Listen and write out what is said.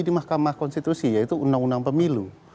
di mahkamah konstitusi yaitu undang undang pemilu